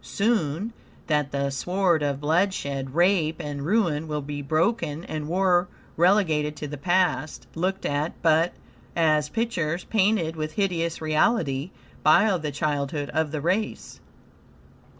Soon, that the sword of bloodshed, rape, and ruin, will be broken and war relegated to the past, looked at, but, as pictures, painted with hideous reality by the childhood of the race.